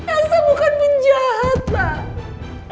elsa bukan penjahat pak